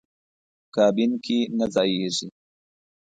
کابین کې نه ځایېږي.